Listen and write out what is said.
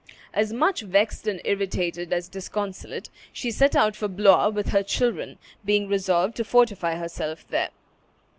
As much vexed and irritated as disconsolate, she set out for Blois with her children, being resolved to fortify herself there.